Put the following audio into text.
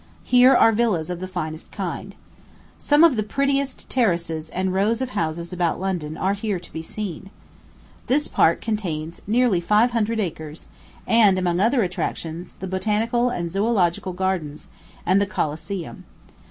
Here are villas of the finest kind. Some of the prettiest terraces and rows of houses about London are here to be seen. This park contains nearly five hundred acres, and, among other attractions, the Botanical and Zoölogical Gardens, and the Coliseum.